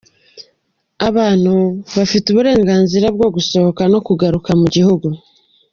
Abantu bafite uburenganzira bw’ugusohoka n’ukugaruka mu gihugu.